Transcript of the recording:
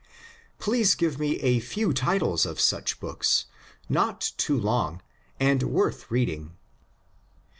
Please give me a few titles of such books — not too long, and worth reading."